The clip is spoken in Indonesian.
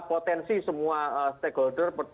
potensi semua stakeholder